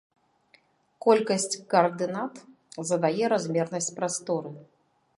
Колькасць каардынат задае размернасць прасторы.